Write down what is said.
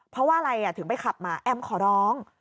เพราะว่าอะไรถึงไปขับมาแอมขอร้อง